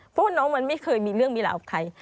เพราะว่าน้องมันไม่เคยมีเรื่องมีราวกับใคร